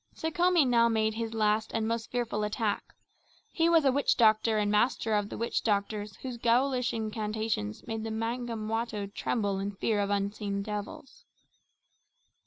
Sekhome now made his last and most fearful attack. He was a witch doctor and master of the witch doctors whose ghoulish incantations made the Bamangwato tremble in terror of unseen devils.